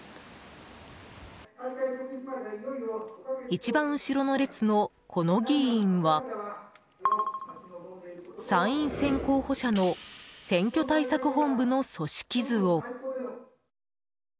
一番後ろの列の、この議員は参院選候補者の選挙対策本部の組織図を。